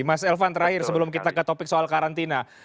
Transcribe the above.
mas elvan terakhir sebelum kita ke topik soal karantina